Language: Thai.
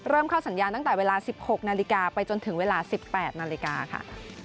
เข้าสัญญาณตั้งแต่เวลา๑๖นาฬิกาไปจนถึงเวลา๑๘นาฬิกาค่ะ